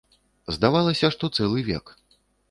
Здавалася, што цэлы век.